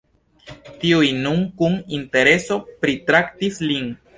Tiuj nun kun intereso pritraktis lin.